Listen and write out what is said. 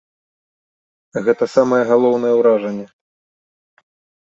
Гэта самае галоўнае ўражанне.